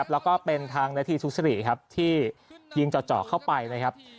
แล้วก็เป็นทางนาทีทุกษิริที่ยิงเจาะเข้าไป